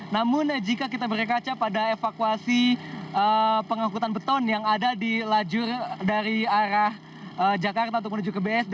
namun jika kita berkaca pada evakuasi pengangkutan beton yang ada di lajur dari arah jakarta untuk menuju ke bsd